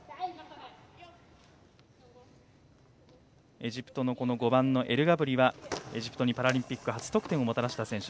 エジプトの５番のエルガブリはエジプトにパラリンピック初得点をもたらした選手。